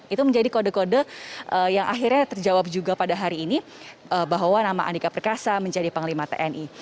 itu menjadi kode kode yang akhirnya terjawab juga pada hari ini bahwa nama andika perkasa menjadi panglima tni